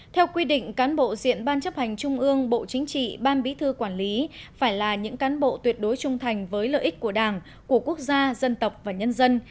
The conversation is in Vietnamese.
theo quy định cán bộ diện ban chấp hành trung ương bộ chính trị ban bí thư quản lý phải là những cán bộ tuyệt đối trung thành với lợi ích của đảng của quốc gia dân tộc và nhân dân